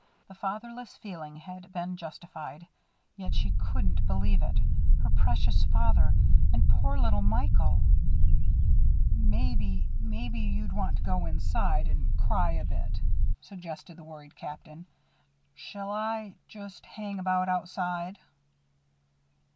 The fatherless feeling had been justified. Yet she couldn't believe it. Her precious father and poor little Michael! "Maybe maybe you'd want to go inside and cry a bit," suggested the worried Captain. "Shall I just hang about outside?"